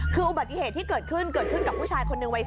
คืออุบัติเหตุที่เกิดขึ้นเกิดขึ้นกับผู้ชายคนหนึ่งวัย๒